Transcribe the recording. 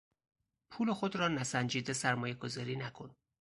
پول خود را نسنجیده سرمایهگذاری نکن!